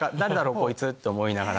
こいつと思いながら。